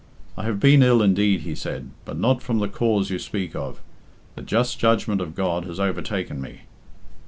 "I have been ill indeed," he said, "but not from the cause you speak of. The just judgment of God has overtaken me."